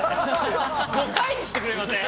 ５回にしてくれませんか？